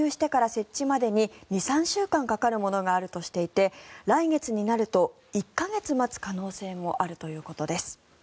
設置までに２３週間かかるものがあるとしていて来月になると１か月待つ可能性もあるということです。